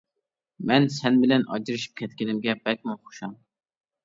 مەن سەن بىلەن ئاجرىشىپ كەتكىنىمگە بەكمۇ خۇشال!